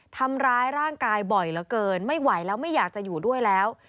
ทำร้ายร่างกายบ่อยเหลือเกินไม่ไหวแล้วไม่อยากจะอยู่ด้วยแล้ว